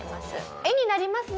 絵になりますね